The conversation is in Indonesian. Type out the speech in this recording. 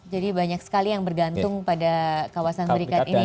jadi banyak sekali yang bergantung pada kawasan berikat ini ya